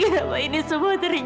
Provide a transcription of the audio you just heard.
kenapa ini semua terjadi san